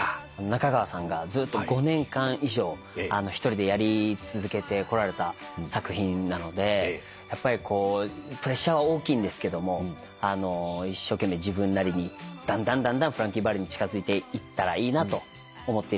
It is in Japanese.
中川さんがずっと５年間以上一人でやり続けてこられた作品なのでやっぱりこうプレッシャーは大きいんですけども一生懸命自分なりにだんだんフランキー・ヴァリに近づいていったらいいなと思っているしだいでございます。